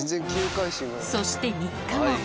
そして３日後。